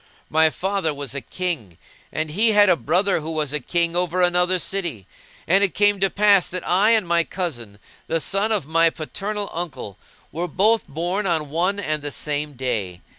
My father was a King and he had a brother who was a King over another city; and it came to pass that I and my cousin, the son of my paternal uncle, were both born on one and the same day.